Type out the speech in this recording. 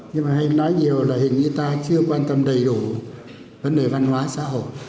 nhưng mà hay nói nhiều loại hình như ta chưa quan tâm đầy đủ vấn đề văn hóa xã hội